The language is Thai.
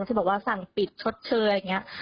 ที่บอกว่าสั่งปิดชดเชยอย่างนี้